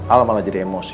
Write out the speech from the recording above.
al malah jadi emosi